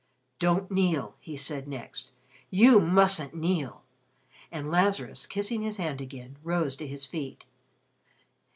"Don't kneel," he said next. "You mustn't kneel." And Lazarus, kissing his hand again, rose to his feet.